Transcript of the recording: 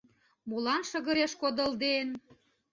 Молан шыгыреш кодылден?